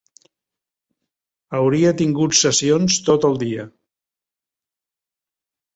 Hauria tingut sessions tot el dia.